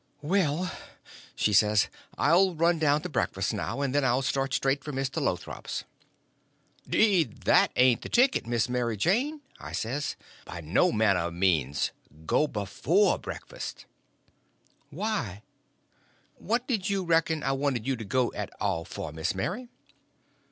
"Well," she says, "I'll run down to breakfast now, and then I'll start straight for Mr. Lothrop's." "'Deed, that ain't the ticket, Miss Mary Jane," I says, "by no manner of means; go before breakfast." "Why?" "What did you reckon I wanted you to go at all for, Miss Mary?"